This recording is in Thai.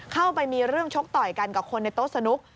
เข้าไปมีเรื่องชกต่อยกันกับคนในโต๊ะสนุก